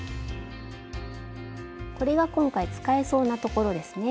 これが今回使えそうなところですね。